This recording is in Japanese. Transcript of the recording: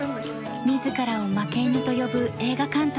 自らを「負け犬」と呼ぶ映画監督と。